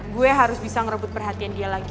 gue harus bisa ngerebut perhatian dia lagi